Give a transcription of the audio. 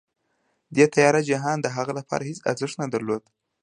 دې تیاره جهان د هغه لپاره هېڅ ارزښت نه درلود